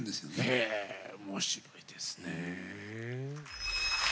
へえ面白いですね。